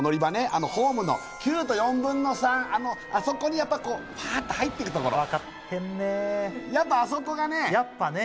あのホームの９と４分の３あそこにパーッと入ってくところ分かってんねやっぱあそこがね